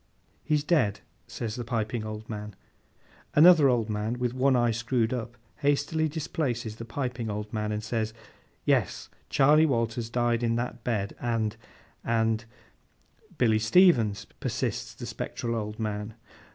'He's dead,' says the piping old man. Another old man, with one eye screwed up, hastily displaces the piping old man, and says. 'Yes! Charley Walters died in that bed, and—and—' 'Billy Stevens,' persists the spectral old man.